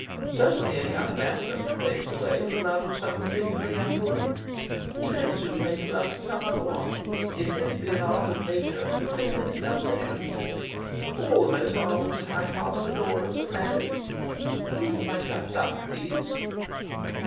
Certainly a young man doesn't waste away for love of some particular young woman. He very soon makes love to some other one. If his be an ardent nature, the quicker his transition. All the most ardent of my past adorers have married. Will you put my cup down, please?"